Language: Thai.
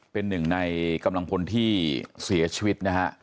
เป็นหนึ่งในกำลังพลที่เสียชีวิตนะฮะ